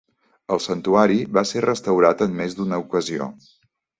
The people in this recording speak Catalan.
El santuari va ser restaurat en més d'una ocasió.